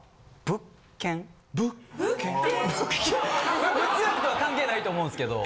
・これ物欲とは関係ないと思うんですけど。